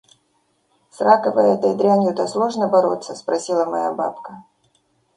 «С раковою этой дрянью-то сложно бороться?» — спросила моя бабка.